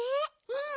うん。